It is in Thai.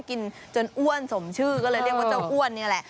กินจนอ้วนสมชื่อก็เลยเรียกว่าเจ้าอ้วนนี่แหละ